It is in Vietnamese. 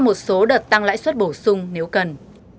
một số đợt tăng lãi suất bổ sung nếu cần